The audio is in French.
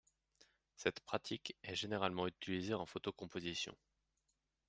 Cette pratique est généralement utilisée en photocomposition.